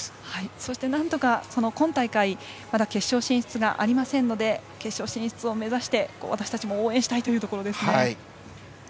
そして、なんとか、今大会まだ決勝進出がありませんので決勝進出を目指して私たちも応援したいですね。